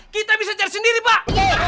kita bisa cari sendiri pak